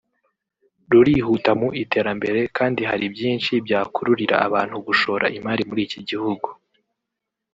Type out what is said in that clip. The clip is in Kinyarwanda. rurihuta mu iterambere kandi hari byinshi byakururira abantu gushora imari muri iki gihugu